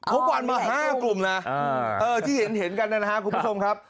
วันมา๕กลุ่มนะที่เห็นกันนะครับคุณผู้ชมครับ